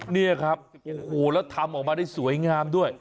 นี่ครับโอ้โหแล้วทำออกมาได้สวยงามด้วย